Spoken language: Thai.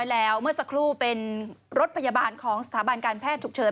แล้วเมื่อสักครู่เป็นรถพยาบาลของสถาบันการแพทย์ฉุกเฉิน